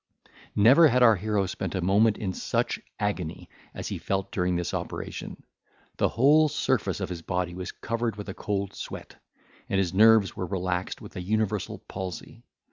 Never had our hero spent a moment in such agony as he felt during this operation; the whole surface of his body was covered with a cold sweat, and his nerves were relaxed with an universal palsy.